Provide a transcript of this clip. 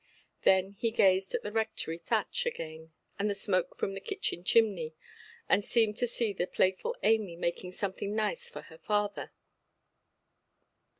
Then he gazed at the Rectory thatch again, and the smoke from the kitchen chimney, and seemed to see pure playful Amy making something nice for her father.